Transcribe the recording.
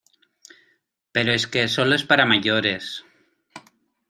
pero es que solo es para mayores.